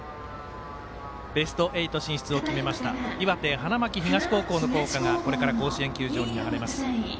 ベスト８進出を決めました岩手の花巻東高校の校歌がこれから甲子園球場に流れます。